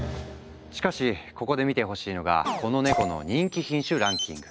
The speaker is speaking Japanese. しかしここで見てほしいのがこのネコの人気品種ランキング。